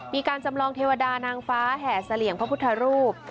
มีการจำลองเทวดานางฟ้าแห่เสลี่ยงพระพุทธรูป